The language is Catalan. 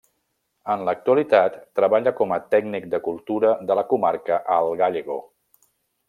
En l'actualitat treballa com a tècnic de cultura de la Comarca Alt Gállego.